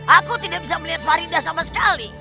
aku tidak bisa melihat farida sama sekali